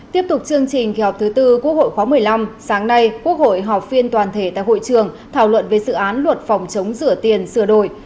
tiếp tục chương trình kỳ họp thứ tư quốc hội khóa một mươi năm sáng nay quốc hội họp phiên toàn thể tại hội trường thảo luận về dự án luật phòng chống rửa tiền sửa đổi